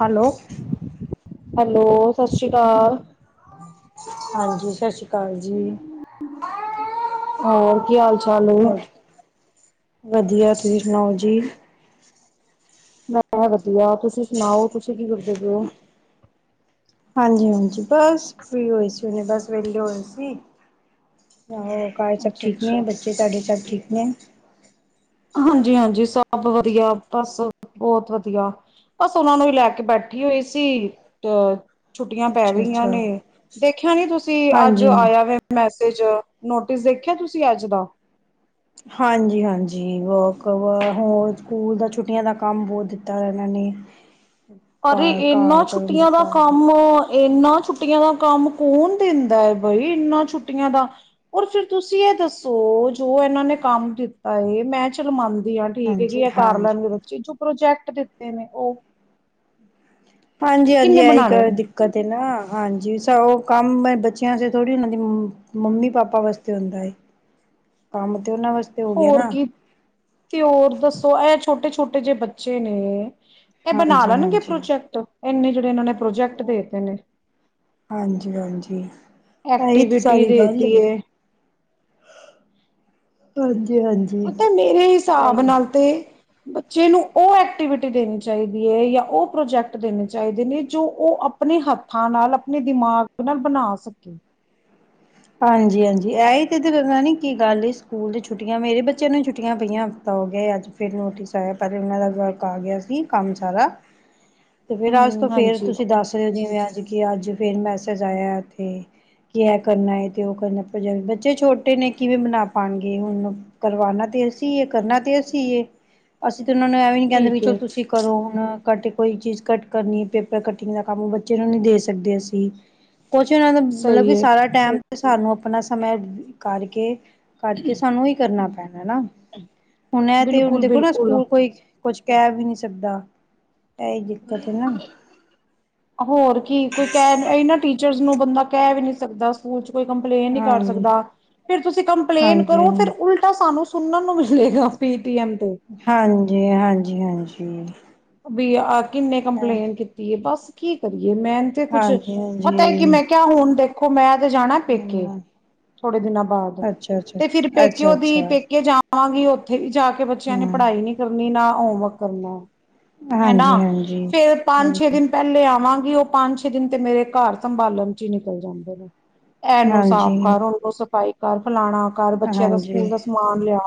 Hello hello ਸਤਿ ਸ਼੍ਰੀ ਅਕਾਲ ਹਾਂਜੀ ਸਤਿ ਸ੍ਰੀ ਅਕਾਲ ਜੀ ਹੋਰ ਕੀ ਹਾਲ ਚਾਲ ਏ। ਹੋਰ ਵਧੀਆ ਤੁਸੀਂ ਸੁਣਾਓ ਜੀ। ਮੈਂ ਵਧੀਆ ਤੁਸੀਂ ਸੁਣਾਓ ਤੁਸੀਂ ਕੀ ਕਰਦੇ ਪਏ ਹੋ। ਹਾਂਜੀ ਹਾਂਜੀ ਬਸ ਫ੍ਰੀ ਹੋਏ ਸੀ ਉਹਨੇ ਬਸ ਵਿਹਲੇ ਹੋਏ ਸੀ। ਆ ਘਰ ਸਭ ਅੱਛਾ ਠੀਕ ਅੱਛਾ। ਨੇ ਬੱਚੇ ਤੁਹਾਡੇ ਸਭ ਠੀਕ ਨੇ। ਹਾਂਜੀ ਹਾਂਜੀ ਸਭ ਵਧੀਆ ਬਸ ਬਹੁਤ ਵਧੀਆ ਬਸ ਉਹਨਾਂ ਨੂੰ ਹੀ ਲੈ ਕੇ ਬੈਠੀ ਹੋਈ ਸੀ। ਛੁੱਟੀਆਂ ਪੈ ਅੱਛਾ ਗਈਆਂ ਅੱਛਾ। ਨੇ ਦੇਖਿਆ ਨੀ ਤੁਸੀਂ ਅੱਜ ਹਾਂਜੀ। ਆਇਆ ਵੈ ਮੈਸੇਜ। ਵਿੱਚ ਨੋਟਿਸ ਦੇਖਿਆ ਤੁਸੀਂ ਅੱਜ ਦਾ ਹਾਂਜੀ ਹਾਂਜੀ ਵਕ ਵ ਹੋਰ ਸਕੂਲ ਦਾ ਛੁੱਟੀਆਂ ਦਾ ਕੰਮ ਬਹੁਤ ਦਿੱਤਾ ਇਹਨਾਂ ਨੇ। ਪਰ ਘਰ ਘਰ ਇਨਾਂ ਕਰਨ ਛੁੱਟੀਆਂ ਦਾ ਕੰਮ। ਇਨਾਂ ਛੁੱਟੀਆਂ ਦਾ ਕੰਮ ਕੌਣ ਦਿੰਦਾ ਹੈ। ਬਾਈ ਇੰਨਾ ਛੁੱਟੀਆਂ ਦਾ ਰ ਫਿਰ ਤੁਸੀਂ ਇਹ ਦੱਸੋ ਜੋ ਇਹਨਾਂ ਨੇ ਕੰਮ ਦਿੱਤਾ ਹੈ ਮੈਂ ਚਲ ਮੰਨਦੀ ਹੈ। ਹਾਂ ਠੀਕ ਹਾਂਜੀ ਹੈਗੀ ਆ ਕਰ ਲੈਣਗੇ ਹਾਂਜੀ। ਬੱਚੇ ਚੋਂ ਪ੍ਰੋਜੈਕਟ ਦਿੱਤੇ ਨੇ ਉਹ ਹਾਂਜੀ ਹਾਂਜੀ ਕਿੰਨੇ ਇਹੀ ਬਣਾਣੇ ਕ ਨੇ ਦਿੱਕਤ ਨਾ ਹਾਂਜੀ ਸ ਉਹ ਕੰਮ ਬੱਚਿਆਂ ਵਾਸਤੇ ਥੋੜ੍ਹੀ ਉਹਨਾਂ ਦੀ ਮੰਮੀ ਪਾਪਾ ਵਾਸਤੇ ਹੁੰਦਾ ਕੰਮ ਤੇ ਉਹਨਾਂ ਵਾਸਤੇ ਹੋ ਗਿਆ ਹੋਰ ਨਾ ਕੀ ਤੇ ਹੋਰ ਦੱਸੋ ਇਹ ਛੋਟੇ ਛੋਟੇ ਛੋਟੇ ਜਿਹੇ ਬੱਚੇ ਨੇ ਇਹ ਬਣਾ ਹਾਂਜੀ ਲੈਣਗੇ ਹਾਂਜੀ ਪ੍ਰੋਜੈਕਟ ਐਨੇ ਜੇੜੇ ਇਹਨਾਂ ਨੇ ਪ੍ਰੋਜੈਕਟ ਦੇ ਤੇ ਨੇ ਹਾਂਜੀ ਹਾਂਜੀ ਆਹੀ ਤੇ ਐਕਟੀਵਿਟੀ ਸਾਰੀ ਗੱਲ ਏ ਦੇਤੀ ਹੈ ਪਤਾ ਹੈ, ਮੇਰੇ ਹਿਸਾਬ ਨਾਲ ਤੇ ਬੱਚੇ ਨੂੰ ਉਹ ਐਕਟੀਵਿਟੀ ਦੇਣੀ ਚਾਹੀਦੀ ਹੈ ਜਾਂ ਉਹ ਪ੍ਰੋਜੈਕਟ ਦੇਣੇ ਚਾਹੀਦੇ ਨੇ ਜੋ ਉਹ ਆਪਣੇ ਹੱਥਾਂ ਨਾਲ ਆਪਣੇ ਦਿਮਾਗ ਨਾਲ ਬਣਾ ਸਕੇ ਹਾਂਜੀ ਹਾਂਜੀ ਐ ਤੇ ਨੀ ਕੀ ਗੱਲ ਸਕੂਲ ਛੁੱਟੀਆਂ ਮੇਰੇ ਬੱਚਿਆਂ ਨੂੰ ਛੁੱਟੀਆਂ ਪਈਆਂ ਹਫ਼ਤਾ ਹੋ ਗਿਆ ਅੱਜ ਫ ਨੋਟਿਸ ਆਇਆ ਪ ਉਹਨਾਂ ਦਾ ਵਰਕ ਆ ਗਿਆ ਸੀ ਕੰਮ ਸਾਰਾ ਤੇ ਫੇਰ ਅੱਜ ਤੋਂ ਹਮ ਫੇਰ ਹਾਂਜੀ ਤੁਸੀਂ ਦੱਸ ਰਹੇ ਹੋ ਜਿਵੇਂ ਅੱਜ ਕਿ ਅੱਜ ਫੇਰ ਮੈਸੇਜ ਆਇਆ ਐਥੇ ਕਿ ਕਰਨਾ ਤੇ ਉਹ ਕਰਨਾ ਬੱਚੇ ਛੋਟੇ ਨੇ ਕਿਵੇਂ ਬਣਾ ਪਾਉਣਗੇ ਹੁਣ ਕਰਵਾਣਾ ਤੇ ਅਸੀਂ ਏ ਕਰਨਾ ਤੇ ਅਸੀਂ ਹੀ ਏ, ਅਸੀਂ ਅਤੇ ਉਹਨਾਂ ਨੂੰ ਐ ਵੀ ਨਹੀਂ ਕਹਿੰਦੇ ਵੀ ਠੀਕ ਚਲੋ ਹੈ ਤੁਸੀਂ ਕਰੋ ਹੁਣ ਘੱਟ ਕੋਈ ਚੀਜ਼ ਕੱ ਕਰਨੀ ਪੇਪਰ ਕਟਿੰਗ ਦਾ ਕੰਮ ਬੱਚੇ ਨੂੰ ਨਹੀਂ ਦੇ ਸਕਦੇ ਅਸੀਂ ਕੁਛ ਉਹਨਾਂ ਦਾ ਮਤਲਬ ਸਹੀ ਕਿ ਹੈ ਟਮ ਤੇ ਸਾਨੂੰ ਆਪਣਾ ਸਮੇਯ ਕਰਕੇ ਕੱਢ ਕੇ ਸਾਨੂੰ ਹੀ ਕਰਨਾ ਪੈਣਾ ਨਾ ਹੁਣ ਇਹ ਤੇ ਹੁਣ ਬਿਲਕੁਲ ਦੇਖੋ ਨਾ ਬਿਲਕੁਲ ਸਕੂਲ ਕੋਈ ਕੁਝ ਕਹਿ ਵੀ ਨਹੀਂ ਸਕਦਾ ਇਹੀ ਦਿੱਕਤ ਹੈ ਨਾ ਹੋਰ ਕੀ ਕੋਈ ਕਹਿ ਇਹ ਨਾ ਟੀਚਰਸ ਨੂੰ ਬੰਦਾ ਕਹਿ ਵੀ ਨੀ ਸਕਦਾ ਸਕਦਾ ਸੂਚ ਕੋਈ ਕੰਪਲੇਂਨ ਨਹੀਂ ਕਰ ਹਾਂਜੀ ਸਕਦਾ ਫੇਰ ਤੁਸੀਂ ਕੰਪਲੇਂਨ ਹਾਂਜੀ ਕਰੋ ਫਿਰ ਉਲਟਾ ਸਾਨੂੰ ਸੁਣਨ ਨੂੰ ਮਿਲੇਗਾ ਫਿਰ ਹਾਂਜੀ ਹਾਂਜੀ ਹਾਂਜੀ ਵੀ ਆਰ ਕਿੰਨੇ ਕੰਪਲੇਂਟ ਕੀਤੀ ਹੈ ਬਸ ਕੀ ਕਰੀਏ ਮੈ ਤੇ ਕੁੱਛ ਹਾਂਜੀ ਪਤਾ ਹੈ ਕਿ ਮੈਂ ਕਿਆ ਹੁਣ ਦੇਖ ਮੈਂ [inaudible] ਤੇ ਜਾਣਾ ਪੇਕੇ ਹਾਂਜੀ ਥੋੜੇ ਦਿਨਾਂ ਬਾਅਦ ਅੱਛਾ ਅੱਛਾ ਤੇ ਫਿਰ ਅੱਛਾ ਪੇਕੇਓ ਦੀ ਅੱਛਾ ਪੇਕੇ ਜਾ ਆਂ ਗੀ ਔਥੇ ਵੀ ਜਾ ਕੇ ਬੱਚਿਆਂ ਨੇ ਹਮ ਪੜ੍ਹਾਈ ਨੀ ਕਰਨੀ ਨਾ ਹੋਮ ਵੱਰਕ ਕਰਨਾ ਹੈ ਹਨਾ ਹਾਂਜੀ ਹਾਂਜੀ ਫੇਰ ਹਾਂ ਪੰਜ ਛੇ ਦਿਨ ਪਹਿਲੇ ਆਵਾਂਗੇ। ਉਹ ਪੰਜ ਛੇ ਦਿਨ ਤੇ ਮੇਰੇ ਘਰ ਸੰਭਾਲਣ ਚ ਹੀ ਨਿਕਲ ਜਾਂਦੇ ਨੇ। ਇਹਨੂੰ ਸਾਫ਼ ਹਾਂਜੀ ਕਰੋ ਓਹ ਨੂੰ ਸਾਫ ਬਾਈਕ ਫਲਾਣਾ ਘਰ ਬੱਚਿਆਂ ਦਾ ਹਾਂਜੀ ਸਕੂਲ ਦਾ ਸਮਾਨ ਲਿਆ।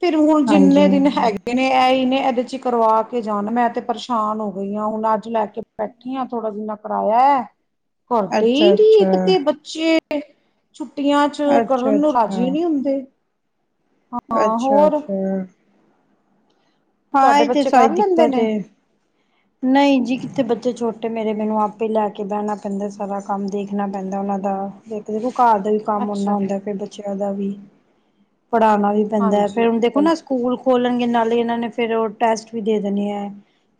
ਫਿਰ ਹੁਣ ਜਿੰਨੇ ਹਾਂਜੀ ਦਿਨ ਹਾਂਜੀ ਹੈਗੇ ਨੇ ਐਹੀ ਨੇ। ਇਹਦੇ ਚ ਕਰਵਾ ਕੇ ਜਾਣ ਮੈਂ ਤੇ ਪਰੇਸ਼ਾਨ ਹੋ ਗਈ ਹਾਂ ਹੁਣ ਅੱਜ ਲੈ ਕੇ ਬੈਠੀ ਹ ਥੋੜਾ ਜਿਨਾ ਕਿਰਾਇਆ ਹੈ। ਕਰਦੇ ਹੀ ਅੱਛਾ ਨੀ ਅੱਛਾ ਇੱਕ ਤੇ ਬੱਚੇ [unintelligible] ਛੁੱਟੀਆਂ ਚ ਕਰਨ ਅੱਛਾ ਨੂੰ ਰਾਜ਼ੀ ਅੱਛਾ ਨਹੀਂ ਹੁੰਦੇ। ਹਾਂ ਅੱਛਾ ਹੋਰ ਅੱਛਾ ਹਾਂ ਤੁਹਾਡੇ ਇਹ ਤੇ ਬੱਚੇ ਸਾਰੀ ਕਰ ਲੈਂਦੇ ਦਿੱਕਤ ਨੇ ਹੈ। ਨਹੀਂ ਜੀ ਕਿੱਥੇ ਬੱਚੇ ਛੋਟੇ ਮੇਰੇ ਮੈਨੂੰ ਆਪੇ ਲੈ ਕੇ ਬਹਿਣਾ ਪੈਂਦਾ। ਸਾਰਾ ਕੰਮ ਦੇਖਣਾ ਪੈਂਦਾ ਉਹਨਾਂ ਦਾ। ਘਰ ਦਾ ਵੀ ਕੰਮ ਨਾ ਅੱਛਾ ਹੁੰਦਾ ਫਿਰ ਬੱਚੇ ਘਰ ਦਾ ਵੀ। ਪੜ੍ਹਾਣਾ ਵੀ ਪੈਂਦਾ ਹਾਂਜੀ ਫੇਰ ਹੁਣ ਦੇਖੋ ਨਾ ਸਕੂਲ ਖੋਲਣਗੇ ਨਾਲ ਹੀ ਇਹਨਾਂ ਨੇ ਫਿਰ ਉਹ ਟੈਸਟ ਵੀ ਦੇ ਦੇਣੇ ਹੈ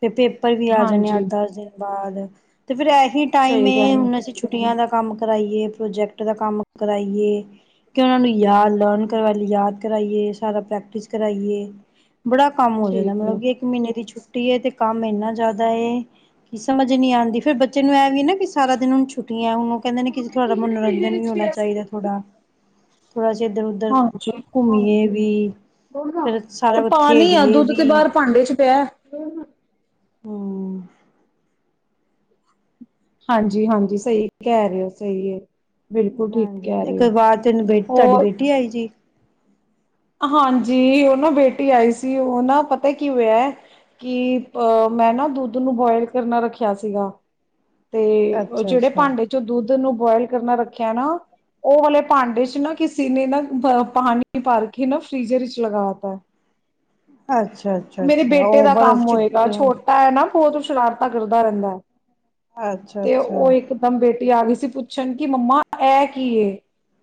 ਫਿਰ ਪੇਪਰ ਵੀ ਆ ਜਾਂਦੇ ਹਾਂ ਅੱਠ ਹਾਂਜੀ ਦਸ ਦਿਨ ਬਾਅਦ ਅਤੇ ਫਿਰ ਇਹੀ ਟਾਈਮ ਸਹੀ ਹੈ ਗੱਲ ਹੁਣ ਅਸੀਂ ਛੁੱਟੀਆਂ ਦਾ ਕੰਮ ਕਰਾਈਏ ਪ੍ਰੋਜੈਕਟ ਦਾ ਕੰਮ ਕਰਾਈਏ ਕਿ ਉਹਨਾਂ ਨੂੰ ਯਾਦ ਲਰਨ ਕਰਵਾ ਯਾਦ ਕਰਾਈਏ ਸਾਰਾ ਪ੍ਰੈਕਟਿਸ ਕਰਾਈਏ। ਬੜਾ ਕੰਮ ਹੋ ਜਾਂਦਾ ਠੀਕ ਹੈ ਮਤਲਬ ਇੱਕ ਮਹੀਨੇ ਦੀ ਛੁੱਟੀ ਛੁੱਟੀ ਏ ਤੇ ਕੰਮ ਇਨਾ ਜ਼ਿਆਦਾ ਕੀ ਸਮਝ ਨੀ ਆਦੀ ਫੇਰ ਬੱਚੇ ਨੂੰ ਇਹ ਵੀ ਨਾ ਕਿ ਸਾਰਾ ਦਿਨ ਹੁਣ ਛੁੱਟੀਆਂ ਹੁਣ ਉਹ ਕਹਿੰਦੇ ਨੇ ਕਿ ਜੇ ਤੁਹਾਡਾ ਮਨੋਰੰਜਨ ਵੀ ਹੋਣਾ ਚਾਹੀਦਾ ਥੋੜਾ। ਥੋੜਾ ਜਿਹਾ ਇਧਰ ਉਧਰ ਹਾਂਜੀ ਘੁੰਮੀਏ ਵੀ ਫਿਰ ਇਹ ਸਾਰਾ ਕੁੱਛ ਪਾਣੀ ਆ ਖੇਡੀਏ ਦੁੱਧ ਤੇ ਵੀ। ਬਾਹਰ ਭਾਂਡੇ [inaudible] ਹਾ ਹਾਂਜੀ ਹਾਂਜੀ ਸਹੀ ਕਹਿ ਰਹੇ ਹੋ ਸਹੀ ਹੈ। ਬਿਲਕੁਲ ਠੀਕ ਹਾਂਜੀ ਕਹਿ ਹ ਰਹੇ ਹੋ ਕਈ ਵਾਰ ਤੈਨੂੰ ਬੇ ਤੁਹਾਡੀ ਹੋਰ ਬੇਟੀ ਆਈ ਜੀ। ਹਾਂਜੀ ਉਹ ਨਾ ਬੇਟੀ ਆਈ ਸੀ ਉਹਨਾ ਪਤਾ ਕੀ ਹੋਇਆ ਕਿ ਐ ਮੈਂ ਨਾ ਦੁੱਧ ਨੂੰ ਬੋਇਲ ਕਰਨਾ ਰੱਖਿਆ ਸੀਗਾ। ਤੇ ਉਹ ਅੱਛਾ ਜਿਹੜੇ ਅੱਛਾ ਭਾਂਡੇ ਚੋ ਦੁੱਧ ਤੇ ਉਹਨੂੰ ਬੋਇਲ ਕਰਨਾ ਰੱਖਿਆ ਨਾ ਉਹ ਵਾਲੇ ਭਾਂਡੇ ਚ ਨਾ ਕਿਸੀ ਨੇ ਨਾ ਪਾਣੀ ਭਰ ਕੇ ਨਾ ਫ੍ਰੀਜਰ ਵਿੱਚ ਲਗਾ ਤਾ ਅੱਛਾ-ਅੱਛਾ, ਮੇਰੇ ਅੱਛਾ ਬੇਟੇ ਔਰ ਦਾ ਬਰਫ਼ ਕੰਮ ਚੁੱਕ ਹੋਏਗਾ ਕੇ ਛੋਟਾ ਹੈ ਨਾ ਬਹੁਤ ਸ਼ਰਾਰਤਾਂ ਕਰਦਾ ਰਹਿੰਦਾ ਹੈ। ਅੱਛਾ ਤੇ ਉਹ ਅੱਛਾ ਇਕਦਮ ਬੇਟੀ ਆ ਗਈ ਸੀ। ਤੇ ਪੁੱਛਣ ਕਿ ਮੰਮਾ ਇਹ ਕੀ ਐ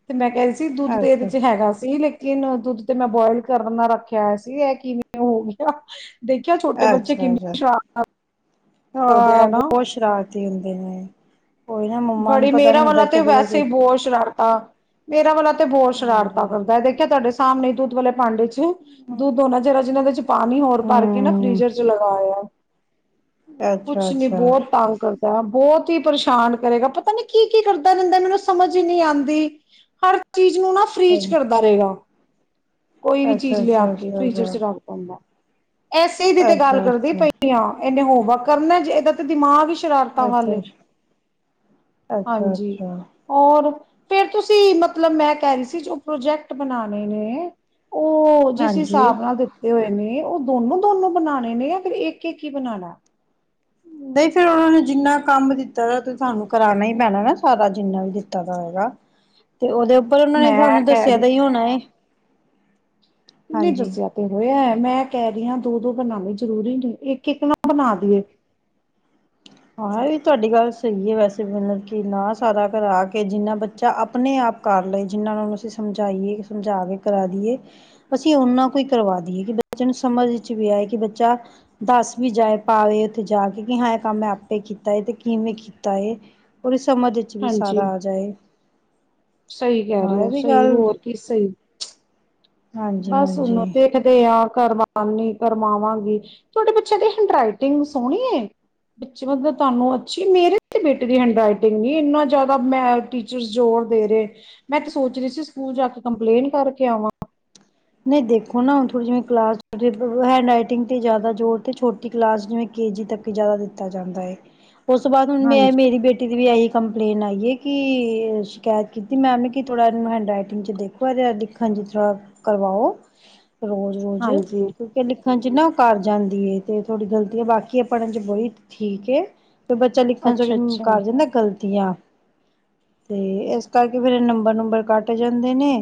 ਤੇ ਮੈਂ ਕਹਿ ਰੀ ਸੀ ਸੀ ਦੁੱਧ ਤੇ ਇਹਦੇ ਅੱਛਾ ਇਚ ਹੈਗਾ ਸੀ ਲੇਕ ਕਿਹਨੂੰ ਦੁੱਧ ਤੇ ਮੈਂ ਬੋਇਲ ਕਰਨਾ ਰੱਖਿਆ ਹੋਇਆ ਸੀ, ਇਹ ਕਿਵੇਂ ਹੋ ਗਿਆ। ਦੇਖਿਆ ਛੋਟੇ ਬੱਚੇ ਅੱਛਾ ਕਿੰਨੇ ਸ਼ਰਾਰਤੀ ਹਾਂ, ਬਹੁਤ ਸ਼ਰਾਰਤ ਕੀ ਕਹਿੰਦੇ ਨੇਂ ਬੜੀ ਮੇਰਾ ਵਾਲਾ ਤੇ ਵੈਸੇ ਹੀ ਬਹੁਤ ਸ਼ਰਾਰਤਾਂ ਮੇਰਾ ਵਾਲਾ ਤੇ ਬਹੁਤ ਸ਼ਰਾਰਤਾਂ ਹਾਂਜੀ ਕਰਦਾ ਹੈ, ਦੇਖਿਆ ਤੁਹਾਡੇ ਸ ਸਾਹਮਣੇ ਹੀ ਦੁੱਧ ਵਾਲੇ ਭਾਂਡੇ ਚ ਚ ਦੁੱਧ ਹੋਣਾ ਜਿਹੜਾ ਜਿਹਨਾ ਵਿਚ ਪਾਣੀ ਹੋਰ ਭਰ ਕੇ ਨਾ ਹੂੰ ਫਰੀਜਰ ਚ ਲਗਾ ਆਇਆ। ਅੱਛਾ ਕੁਛ ਨੀ ਅੱਛਾ ਬਹੁਤ ਤੰਗ ਜਾ ਬਹੁਤ ਹੀ ਪਰੇਸ਼ਾਨ ਕਰੇਗਾ ਪਤਾ ਨੀ ਕੀ ਕੀ ਕਰਦਾ ਰਹਿੰਦਾ ਮੈਨੂੰ ਸਮਝ ਹੀ ਨੀ ਆਂਦੀ ਹਰ ਚੀਜ ਨੂੰ ਨਾ ਫਰੀ ਚ ਕਰਦਾ ਰਹੇਗਾ। ਕੋਈ ਵੀ ਚੀਜ਼ ਅੱਛਾ ਅੱਛਾ ਲਿਆ ਅੱਛਾ ਕੇ ਫ੍ਰੀਜ਼ਰ ਚ ਅੱਛਾ ਰੱਖ ਦਿੰਦਾ। ਐਸੇ ਦੀ ਤੇ ਗੱਲ ਅੱਛਾ ਕਰਦੀ ਅੱਛਾ ਪਈ ਹਾਂ। ਇਹਨੇ ਹੋਮ ਵਰਕ ਕਰਨਾ ਜੇ ਇਹਦਾ ਤੇ ਦਿਮਾਗ ਵੀ ਸ਼ਰਾਰਤਾਂ ਵਾਲੇ ਅੱਛਾ ਅੱਛਾ-ਅੱਛਾ, ਹੋਰ ਫੇਰ ਤੁਸੀ ਮਤਲਬ ਮੈਂ ਕਹਿ ਰਹੀ ਸੀ ਜੋ ਪ੍ਰੋਜੈਕਟ ਬਣਾਣੇ ਨੇਂ ਉਹ ਜਿਸ ਹਾਂਜੀ। ਹਿਸਾਬ ਨਾਲ ਦਿੱਤੇ ਹੋਏ ਨੇਂ ਏਂ ਉਹ ਦੋਨੋਂ ਦੋਨੋਂ ਬਣਾਣੇ ਨੇ ਜਾਂ ਫਿਰ ਇੱਕ- ਇੱਕ ਹੀ ਬਣਾਣਾ। ਨਹੀਂ ਫਿਰ ਉਹਨਾਂ ਨੂੰ ਜਿੰਨਾ ਕੰਮ ਦਿੱਤਾ ਗਿਆ ਤੇ ਸਾਨੂੰ ਕਰਾਣਾ ਹੀ ਪੈਣਾ ਨਾ ਸਾਰਾ ਜਿੰਨਾ ਵੀ ਦਿੱਤਾ ਦਾ ਹੋਵੇਗਾ। ਤੇ ਉਹਦੇ ਉੱਪਰ ਉਹਨਾਂ ਨੇ ਮੈਂ ਤੁਹਾਨੂੰ ਕਹਿ ਦੱਸਿਆ ਰਹੀ ਦਾ ਹੀ ਹੋਣਾ ਏ। ਨੀ ਹਾਂਜੀ। ਦੱਸਿਆ ਤੇ ਹੋਇਆ ਐ ਮੈਂ ਕਹਿ ਰਹੀ ਹਾਂ ਦੋ-ਦੋ ਬਣਾਣੇ ਜ਼ਰੂਰੀ ਨਹੀਂ ਇੱਕ- ਇੱਕ ਨਾ ਬਣਾਦੀਏ। ਆਹ ਇਹ ਤੁਹਾਡੀ ਗੱਲ ਸਹੀ ਹੈ, ਵੈਸੇ ਮਤਲਬ ਕਿ ਨਾ ਸਾਰਾ ਘਰ ਆ ਕੇ ਜਿੰਨਾ ਬੱਚਾ ਆਪਣੇ ਆਪ ਕਰ ਲਏ ਜਿੰਨਾਂ ਨੂੰ ਅਸੀਂ ਸਮਝਾਈਏ ਸਮਝਾ ਕੇ ਕਰਾ ਦਈਏ ਅਸੀਂ ਓਨਾ ਕੁ ਕਰਵਾ ਦਈਏ ਕਿ ਬੱਚੇ ਨੂੰ ਸਮਝ ਵਿੱਚ ਵੀ ਆਏ ਕਿ ਬੱਚਾ ਦੱਸ ਵੀ ਜਾਏ ਭਾਵੇ ਉੱਥੇ ਜਾ ਕੇ ਕਿ ਹਾਂ ਇਹ ਕੰਮ ਮੈਂ ਆਪ ਆਪੇ ਕੀਤਾ ਏ ਤੇ ਕਿਵੇਂ ਕੀਤਾ ਏ ਔਰੀ ਸਮਝ ਇੱਚ ਵੀ ਸਾਰਾ ਆ ਜਾਏ। ਸਈ ਕੈ ਰਏ ਹਾਂ ਔ ਇਹ ਵੀ ਸਈ ਗੱਲ ਹੋਰ ਕੀ ਸਈ। [unintelligible] ਹਾਂਜੀ ਬਸ ਹਾਂਜੀ ਹੁਣ ਦੇਖਦੇ ਆ ਕਰਵਾ ਨੀ ਕਰਵਾਵਾਂਗੀ। ਤੁਆਡੇ ਬੱਚਿਆਂ ਦੀ ਹੈਂਡ ਰਈਟਿੰਗ ਸੋਣੀ ਏ? ਬਿਚ ਮਤਲਬ ਤਾਨੂੰ ਅੱਛੀ ਮੇਰੇ ਤੇ ਬੇਟੇ ਦੀ ਹੈਂਡ ਰਾਈਟਿੰਗ ਨੀ ਇਨਾ ਜ਼ਿਆਦਾ ਮੈਂ ਟੀਚਰਸ ਜੋਰ ਦੇ ਰਏ। ਮੈਂ ਤੇ ਸੋਚ ਰੀ ਸੀ ਸਕੂਲ ਜਾ ਕੇ ਕੰਪਲੇਨ ਕਰਕੇ ਆਵਾਂ। ਨਈ ਦੇਖੋ ਨਾ ਹੁਣ ਥੋੜੀ ਜਿਵੇਂ ਕਲਾਸ [unintelligible] ਹੈਂਡ ਰਾਈਟਿੰਗ ਤੇ ਜਿਆਦਾ ਜੋਰ ਤੇ ਛੋਟੀ ਕਲਾਸ ਜਿਵੇਂ ਕੇਜੀ ਤਕ ਜਿਆਦਾ ਦਿੱਤਾ ਜਾਂਦਾ ਏ। ਉਸ ਤੋਂ ਬਾਅਦ ਹੁਣ ਮੈਂ ਹਾਂਜੀ ਮੇਰੀ ਬੇਟੀ ਦੀ ਵੀ ਐਈ ਕੰਪਲੇਨ ਆਈ ਏ ਕਿ ਸ਼ਿਕਾਇਤ ਕੀਤੀ ਮੈਮ ਨੇ ਕਿ ਥੋੜ੍ਹਾ ਏਨੂੰ ਹੈਂਡ ਰਾਈਟਿੰਗ 'ਚ ਦੇਖੋ ਇਹਦੇ ਦਿੱਖਣ 'ਚ ਥੋੜ੍ਹਾ ਕਰਵਾਓ ਰੋਜ਼-ਰੋਜ਼ ਹਾਂਜੀ ਕਿਉਂਕਿ ਲਿੱਖ ਣ 'ਚ ਨਾ ਕਰ ਜਾਂਦੀ ਏ ਤੇ ਤੁਆਡੀ ਗਲਤੀ ਏ ਬਾਕੀ ਏ ਪੜਨ 'ਚ ਬੜੀ ਠੀਕ ਏ। ਤੇ ਬੱਚਾ ਲਿਖਣ ਚ ਅੱਛਾ ਅੱਛਾ ਕਰ ਜਾਂਦੈ ਗਲਤੀਆਂ ਤੇ ਇਸ ਕਰਕੇ ਫੇਰ ਨੰਬਰ-ਨੁੰਬਰ ਕੱਟ ਜਾਂਦੇ ਨੇ।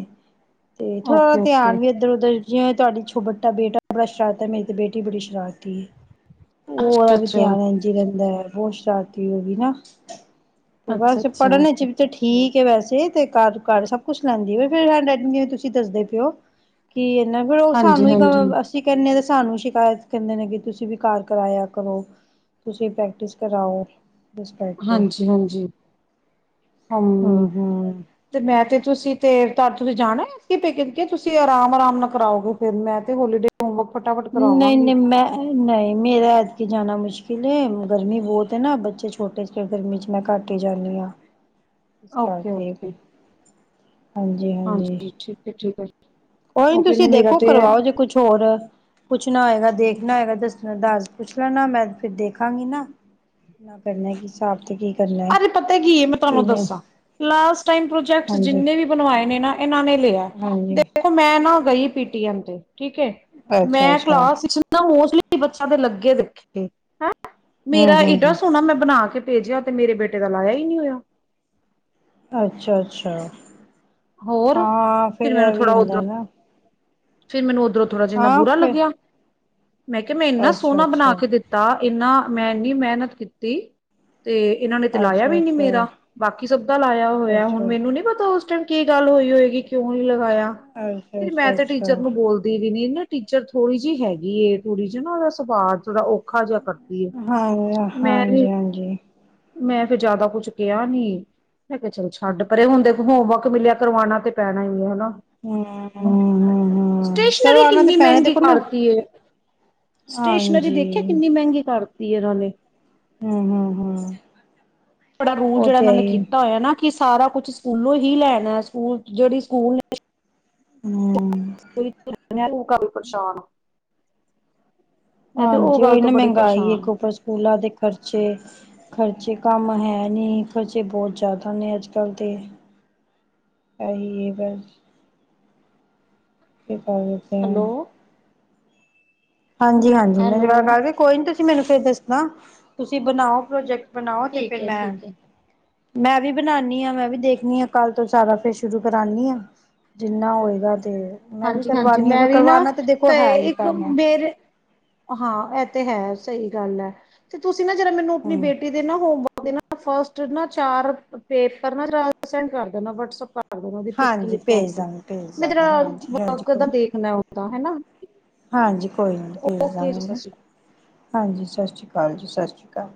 ਤੇ ਥੋੜਾ ਓਕੇ ਓਕੇ ਧਿਆਨ ਵੀ ਇੱਧਰ ਉੱਧਰ ਜਿਵੇ ਤੁਆਡੀ ਛੋ ਬੱਟਾ ਬੇਟਾ ਬੜਾ ਸ਼ਰਾਰਤ ਐ, ਮੇਰੀ ਤੇ ਬੇਟੀ ਬੜੀ ਸ਼ਰਾਰਤੀ ਏ। ਔ ਔਦਾ ਅੱਛਾ ਵੀ ਅੱਛਾ ਧਿਆਨ ਇੰਝ ਈ ਰਹਿੰਦਾ ਐ। ਬੋਤ ਸ਼ਰਾਰਤੀ ਹੋਗੀ ਨਾ? ਅੱਛਾ ਬਸ ਪੜ੍ਹਨ ਅੱਛਾ ਇੱਚ ਵੀ ਤੇ ਠੀ ਠੀਕ ਐ ਵੈਸੇ ਤੇ ਘਰ ਕਰ ਸਭ ਕੁਛ ਲੈਂਦੀ ਏ ਫਿਰ ਹੈਂਡਰਾਈਟਿੰਗ ਨੇ ਤੁਸੀ ਦੱਸਦੇ ਪੇਔ ਕਿ ਨਈ ਫੇਰ ਉਹ ਹਾਂਜੀ ਸਾਨੂੰ ਈ ਹਾਂਜੀ ਕਵੇ ਅਸੀ ਕੈਨੇ ਆਂ ਤੇ ਸਾਨੂੰ ਸ਼ਿਕਾਇਤ ਕਹਿੰਦੇ ਨੇ ਕਿ ਤੁਸੀਂ ਵੀ ਘਾਰ ਕਰਾਇਆ ਕਰੋ, ਤੁਸੀਂ ਪ੍ਰੈਕਟਿਸ ਕਰਾਔ। ਹਾਂਜੀ-ਹਾਂਜੀ। ਹਮ, ਹੂੰ ਹੂੰ। ਤੇ ਮੈਂ ਤੇ ਤੁਸੀ ਤੇ ਤਦ ਤੁਸੀ ਜਾਣਾ ਏ ਅਸੀ ਪੇਕੇ ਤੁਸੀਂ ਅਰਾਮ-ਅਰਾਮ ਨਾਲ ਕਰਾਔਗੇ ਫਿਰ ਮੈਂ ਤੇ ਹੋਲੀਡੇ ਹੋਮਵਰਕ ਫਟਾਫਟ ਨਈ-ਨਈ ਕਰਾਵਾਂਗੀ। ਮੈਂ ਨਈ ਮੇਰਾ ਕਿ ਜਾਣਾ ਮੁਸ਼ਕਿਲ ਏ ਗਰਮੀ ਬੋਤ ਏ ਨਾ ਬੱਚੇ ਛੋਟੇ ਚ ਫੇਰ ਗਰਮੀ ਚ ਮੈਂ ਘੱਟ ਈ ਜਾਣੀ ਆਂ। ਇਸ ਕਰਕੇ, ਓਕੇ-ਓਕੇ, ਹਾਂਜੀ-ਹਾਂਜੀ। ਹਾਂਜੀ ਠੀਕ ਹੈ ਠੀਕ ਹੈ, ਕੋਈ ਨ ਓਕੇ ਤੁਸੀ ਨੇ ਮੇਰਾ ਦੇਖੋ ਤੇ ਕਰਵਾਓ ਜੇ ਕੁਛ ਹੋਰ ਪੁੱਛਣਾ ਹੋਏਗਾ, ਦੇਖਣਾ ਹੋਏਗਾ, ਦੱਸਣਾ ਦਸ ਪੁੱਛ ਲੈਣਾ ਮੈਂ ਫਿਰ ਦੇਖਾਂਗੀ ਨਾ, ਨਾ ਕਰਨਾ ਕਿ ਅੱਜ ਪਤਾ ਕੀ ਏ ਮੈਂ ਤੁਆਨੂੰ ਕਿਵੇਂ ਦੱਸਾਂ ਲਾਸਟ ਟਾਈਮ ਪ੍ਰੋਜੈਕਟਸ ਹਾਂਜੀ ਜਿੰਨੇ ਵੀ ਬਣਵਾਏ ਨੇ ਨਾ ਇਹਨਾਂ ਨੇ ਲਿਆ ਹਾਂਜੀ ਦੇਖੋ ਮੈਂ ਨਾ ਗਈ ਪੀਟੀ ਐਮ ਤੇ ਠੀਕ ਹੈ ਅੱਛਾ ਮੈਂ ਅੱਛਾ ਕਲਾਸ ਵਿੱਚ ਮੋਸਟਲੀ ਬੱਚਿਆ ਦੇ ਲੱਗੇ ਦੇਖੇ। ਹਮ ਮੇਰਾ ਏਡਾ ਹਮ ਸੋਹਣਾ ਮੈਂ ਬਣਾ ਕੇ ਭੇਜਿਆ। ਤੇ ਮੇਰੇ ਬੇਟੇ ਦਾ ਲਾਇਆ ਹੀ ਨਹੀਂ ਹੋਇਆ। ਅੱਛਾ ਅੱਛਾ ਹੋਰ ਹਾਂ ਫਿਰ ਇਹ ਵੀ ਹੁੰਦਾ ਨਾ। ਫੇਰ ਮੈਨੂੰ ਉਧਰੋਂ ਥੋੜਾ ਜਿੰਨਾ ਹਾਂ ਬੁਰਾ ਫਿਰ ਲੱਗਿਆ। ਮੈਂ ਕਿਹਾ ਮੈਂ ਇੰਨਾ ਅੱਛਾ ਸੋਹਣਾ ਬਣਾ ਅੱਛਾ ਕੇ ਦਿੱਤਾ। ਇੰਨੀ ਮੈਂ ਮਿਹਨਤ ਕੀਤੀ। ਤੇ ਇਹਨਾਂ ਨੇ ਤੇ ਲਾਇਆ ਅੱਛਾ ਵੀ ਨੀ ਅੱਛਾ ਮੇਰਾ ਬਾਕੀ ਸਭ ਦਾ ਲਾਇਆ ਹੋਇਆ। ਹੁਣ ਅੱਛਾ ਮੈਨੂੰ ਨੀ ਪਤਾ ਉਸ ਟਾਈਮ ਕੀ ਗੱਲ ਹੋਈ ਹੋਏਗੀ। ਕਿਉਂ ਨੀ ਲਗਾਇਆ ਅੱਛਾ ਫਿਰ ਮੈਂ ਅੱਛਾ ਤੇ ਟੀਚਰ ਅੱਛਾ ਨੂੰ ਬੋਲਦੀ ਵੀ ਨੀ ਨਾ। ਟੀਚਰ ਥੋੜੀ ਜਿਹੀ ਹੈਗੀ ਥੋੜੀ ਜਿਹੀ ਨਾ ਉਹਦਾ ਸੁਵਾਅ ਥੋੜਾ ਔ ਹਾਂਜੀ ਹਾਂਜੀ ਹਾਂਜੀ ਮੈਂ ਵੀ ਜ਼ਿਆਦਾ ਕੁਛ ਕਿਹਾ ਨੀ। ਮੈਂ ਕਿਹਾ ਚੱਲ ਛੱਡ ਪਰੇ। ਹੁਣ ਦੇਖੋ ਹੋਮਵਰਕ ਮਿਲਿਆ ਕਰਵਾਉਣਾ ਤੇ ਪੈਣਾ ਹੀ ਹੈ ਹਨਾ। ਹਮ ਹਮ ਹਮ ਹਮ ਚਲੋ ਸਟੇਸ਼ਨਰੀ ਆਣਾ ਤੇ ਕਿੰਨੀ ਪੈਣਾ ਮਹਿੰਗੀ ਦੇਖੋ ਨਾ ਕਰਤੀ ਹੈ। ਸਟੇਸ਼ਨਰੀ ਹਾਂਜੀ ਦੇਖਿਆ ਕਿੰਨੀ ਮਹਿੰਗੀ ਕਰਤੀ। [inaudible] ਹੂੰ ਹੂੰ ਹੂੰ ਬੜਾ ਰੂਲ ਜਿਹੜਾ ਇਹਨਾਂ ਨੇ ਕੀਤਾ ਹੋਇਆ ਨਾ ਕਿ ਸਾਰਾ ਕੁਛ ਸਕੂਲੋਂ ਹੀ ਲੈਣਾ ਸਕੂਲ ਜਿਹੜੀ ਸਕੂਲ ਨੇ ਹਮ ਬਿਲਕੁਲ ਮੈ ਹੁਣ ਕਲ ਪਰੇਸ਼ਾਨ ਮੈਂ ਤੇ ਹਾਂਜੀ ਉਹ ਗੱਲ ਤੋਂ ਇਹਨੇ ਬੜੀ ਮਹਿੰਗਾਈ ਪਰੇਸ਼ਾਨ ਇੱਕ ਆ ਉੱਪਰ ਸਕੂਲਾਂ ਦੇ ਖਰਚੇ ਖਰਚੇ ਕੰਮ ਹੈ ਨਹੀਂ ਖ਼ਰਚੇ ਬਹੁਤ ਜ਼ਿਆਦਾ ਨੇ ਅੱਜ ਕੱਲ੍ਹ ਦੇ ਇਹੀ ਹੈਗਾ ਹੈ। ਕਿ ਕਰ ਸਕਦੇ ਹਾ। ਹਾਂਜੀ ਹਾਂਜੀ ਮ ਜਵਾਾਰ ਕਰ ਕੋਈ ਤੇ ਮੈਨੂੰ ਫੇਰ ਦੱਸਣਾ ਤੁਸੀਂ ਬਣਾਓ ਪ੍ਰੋਜੈਕਟ। ਬਣਾਓ ਤੇ ਫਿਰ ਮੈਂ ਮੈਂ ਵੀ ਬਣਾਦੀ ਹਾਂ ਮੈਂ ਵੀ ਦੇਖਣੀ ਹਾਂ ਕੱਲ ਤੋਂ ਸਾਰਾ ਫਰ ਸ਼ੁਰੂ ਕਰਾਉਂਣੀ ਹਾਂ ਜਿੰਨਾ ਹੋਏਗਾ ਤੇ ਮੈਂ ਵੀ ਹਾਂਜੀ ਹਾਂਜੀ ਕਰਵਾਨੀ ਆ ਮੈਂ ਫਿਰ ਵੀ ਨਾ ਕਰਵਾਨਾ ਦੇਖੋ ਤੇ ਹੈ ਹੀ ਇੱਕ ਪੈਣਾ। ਮੇਰੇ ਹਾਂ ਇਹ ਤੇ ਹੈ ਸਹੀ ਗੱਲ ਹੈ ਤੇ ਤੁਸੀਂ ਨਾ ਜਿਹੜਾ ਮੈਨੂੰ ਆਪਣੀ ਹੂੰ ਬੇਟੀ ਨਾ ਹੋ ਫਸਟ ਨਾ ਚਾਰ ਪੇਪਰ ਨਾ ਸੈਂਡ ਕਰ ਦੇਣਾ ਵਟਸਪ ਕਰਦੇ ਉਹਦੀ ਪਿੱਕੀ ਹਾਂਜੀ ਲਿੱਕ ਭੇਜ ਕਰਕੇ ਦਾਂਗੇ ਭੇਜ ਮੇਰ ਦਾਂਗੇ ਹਾਂਜੀ ਹਾਂਜੀ ਵਕਦਾ ਕੋਈ ਦੇਖਣਾ ਆਉਂਦਾ ਹਨਾ ਹਾਂਜੀ ਭੇਜ ਦਾਂਗੇ ਹਾਂਜੀ ਸਤਿ ਸ਼੍ਰੀ ਅਕਾਲ ਜੀ ਸਤਿ ਸ਼੍ਰੀ ਅਕਾਲ